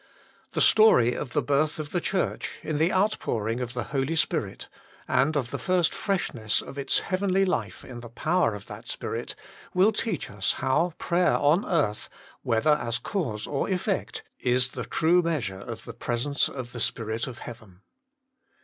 The story of the birth of the Church in the outpouring of the Holy Spirit, and of the first freshness of its heavenly life in the power of that Spirit, will teach us how prayer on earth, whether as cause or effect, is the true measure of the presence of the Spirit of heaven.